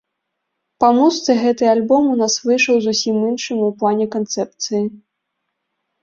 Па музыцы гэты альбом у нас выйшаў зусім іншым у плане канцэпцыі.